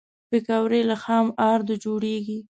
پکورې له خام آردو جوړېږي